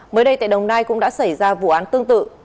mới đây tại đồng nai cũng đã xảy ra vụ án tương tự